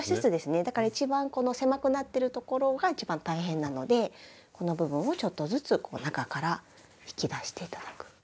だから一番この狭くなってるところが一番大変なのでこの部分をちょっとずつ中から引き出して頂く。